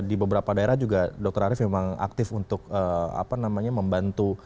di beberapa daerah juga dokter arief memang aktif untuk membantu